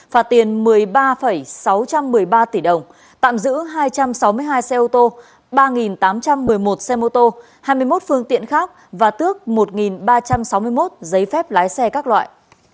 phạt tiền một mươi ba sáu trăm một mươi ba tỷ đồng tạm giữ hai trăm sáu mươi hai xe ô tô ba tám trăm một mươi một xe mô tô hai mươi một phương tiện khác và tước một ba trăm sáu mươi một giấy phép lái xe các loại